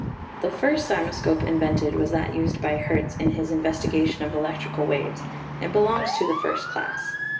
The first cymoscope invented was that used by Hertz in his investigation of electric waves, and belongs to the first class.